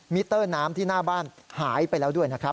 มิเตอร์น้ำที่หน้าบ้านหายไปแล้วด้วยนะครับ